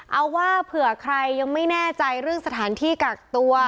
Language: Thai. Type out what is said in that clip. เอาว่าเผื่อใครยังไม่แน่ใจเรื่องสถานที่กักตัว